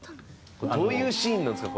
どういうシーンなんですか？